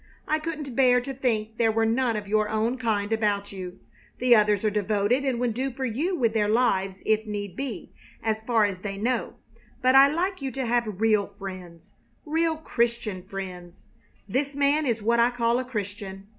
"I couldn't bear to think there were none of your own kind about you. The others are devoted and would do for you with their lives if need be, as far as they know; but I like you to have real friends real Christian friends. This man is what I call a Christian.